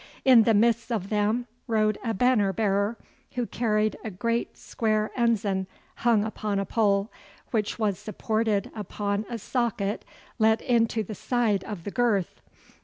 In the midst of them rode a banner bearer, who carried a great square ensign hung upon a pole, which was supported upon a socket let into the side of the girth.